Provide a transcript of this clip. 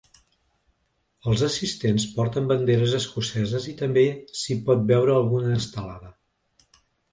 Els assistents porten banderes escoceses i també s’hi pot veure alguna estelada.